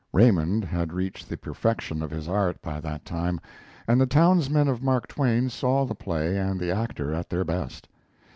Raymond had reached the perfection of his art by that time, and the townsmen of Mark Twain saw the play and the actor at their best.